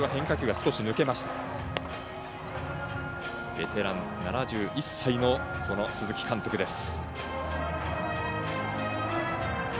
ベテラン、７１歳のこの鈴木監督です。